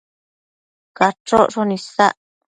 Cachocshon isac